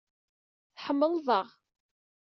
Tḥemmleḍ-aɣ.